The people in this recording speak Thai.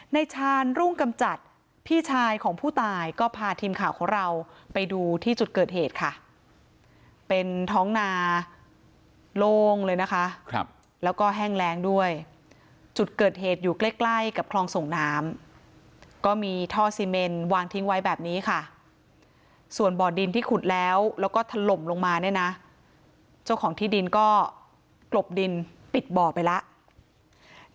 ชาญรุ่งกำจัดพี่ชายของผู้ตายก็พาทีมข่าวของเราไปดูที่จุดเกิดเหตุค่ะเป็นท้องนาโล่งเลยนะคะแล้วก็แห้งแรงด้วยจุดเกิดเหตุอยู่ใกล้ใกล้กับคลองส่งน้ำก็มีท่อซีเมนวางทิ้งไว้แบบนี้ค่ะส่วนบ่อดินที่ขุดแล้วแล้วก็ถล่มลงมาเนี่ยนะเจ้าของที่ดินก็กลบดินปิดบ่อไปแล้ว